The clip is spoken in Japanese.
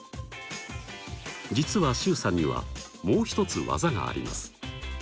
実は周さんにはもう一つ技があります。